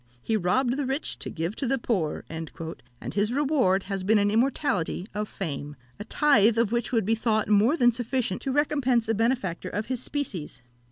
"He robbed the rich to give to the poor;" and his reward has been an immortality of fame, a tithe of which would be thought more than sufficient to recompense a benefactor of his species.